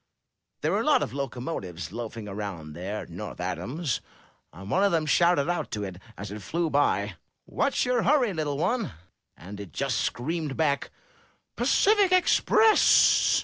There were a lot of locomotives loafing around there at North Adams, and one of them shouted out to it as it flew by, What's your hurry, little one?* and it just screamed back, Tacific Express!